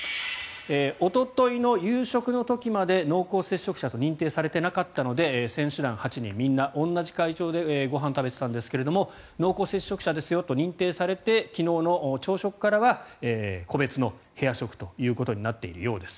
おとといの夕食の時まで濃厚接触者と認定されていなかったので選手団８人、みんな同じ会場でご飯を食べていたんですが濃厚接触者ですよと認定されて昨日の朝食からは個別の部屋食ということになっているようです。